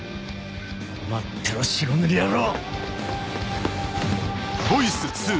待ってろ白塗り野郎！